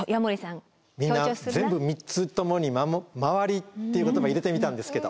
みんな全部３つともに「まわり」っていう言葉入れてみたんですけど。